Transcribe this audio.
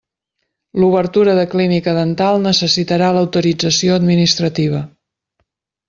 L'obertura de clínica dental necessitarà l'autorització administrativa.